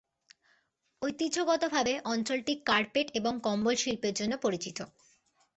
ঐতিহ্যগতভাবে অঞ্চলটি কার্পেট এবং কম্বল শিল্পের জন্য পরিচিত।